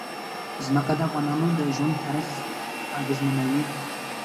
ځمکه د افغانانو د ژوند طرز اغېزمنوي.